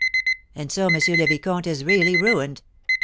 "And so M. le Vicomte is really ruined?"